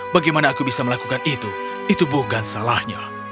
bagaimana aku bisa melakukan itu itu bukan salahnya